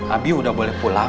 abi udah boleh pulang